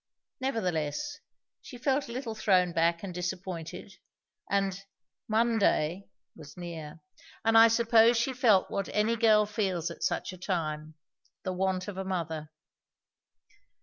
Nevertheless, she felt a little thrown back and disappointed, and "Monday" was near; and I suppose she felt what any girl feels at such a time, the want of a mother.